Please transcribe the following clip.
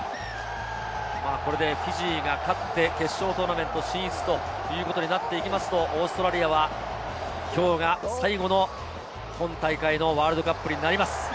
これでフィジーが勝って決勝トーナメント進出ということになってくると、オーストラリアはきょうが最後の今大会のワールドカップになります。